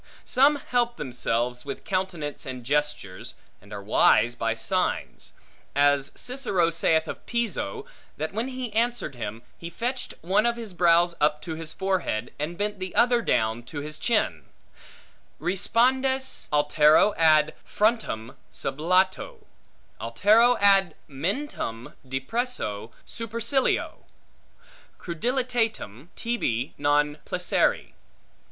Some help themselves with countenance and gesture, and are wise by signs; as Cicero saith of Piso, that when he answered him, he fetched one of his brows up to his forehead, and bent the other down to his chin; Respondes, altero ad frontem sublato, altero ad mentum depresso supercilio, crudelitatem tibi non placere.